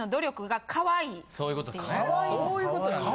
そういうことなんです。